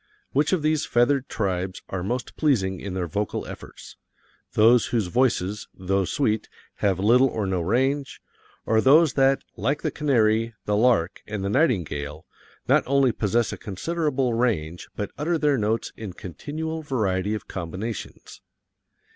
Which of these feathered tribes are most pleasing in their vocal efforts: those whose voices, though sweet, have little or no range, or those that, like the canary, the lark, and the nightingale, not only possess a considerable range but utter their notes in continual variety of combinations?